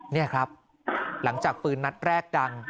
นี่ครับหลังจากปืนนัดแรกดัง